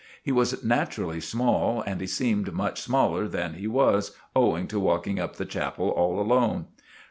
He was naturally small, and he seemed much smaller than he was, owing to walking up the chapel all alone.